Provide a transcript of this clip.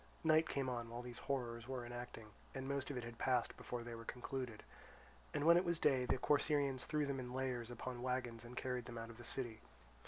Night came on while these horrors were enacting, and most of it had passed before they were concluded. When it was day the Corcyraeans threw them in layers upon wagons and carried them out of the city.